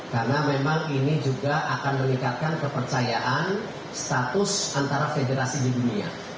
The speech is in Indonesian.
karena memang ini juga akan meningkatkan kepercayaan status antara federasi di dunia